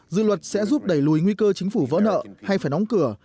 dự luật sẽ giúp đẩy lùi nguy cơ chính phủ vỡ nợ hay phải đóng cửa